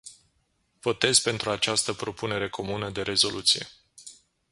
Votez pentru această propunere comună de rezoluție.